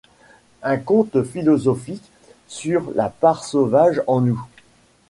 Un conte philosophique sur la part sauvage en nous.